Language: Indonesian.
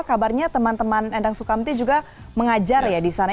kabarnya teman teman endang sukamti juga mengajar ya di sana